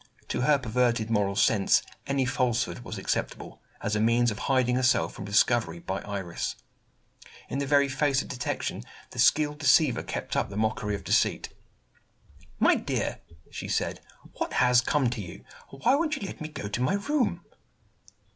To her perverted moral sense, any falsehood was acceptable, as a means of hiding herself from discovery by Iris. In the very face of detection, the skilled deceiver kept up the mockery of deceit. "My dear," she said, "what has come to you? Why won't you let me go to my room?"